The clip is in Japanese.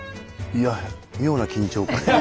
いや妙な緊張感が。